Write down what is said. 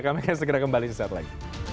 kami akan segera kembali sesaat lagi